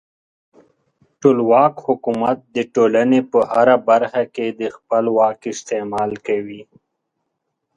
ټولواک حکومت د ټولنې په هره برخه کې د خپل واک استعمال کوي.